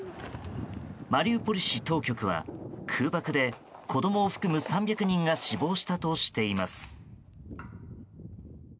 マリウポリ市当局は空爆で、子供を含む３００人が死亡したとしています。